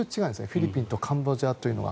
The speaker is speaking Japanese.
フィリピンとカンボジアというのは。